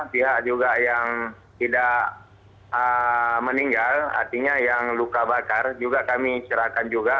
pihak juga yang tidak meninggal artinya yang luka bakar juga kami serahkan juga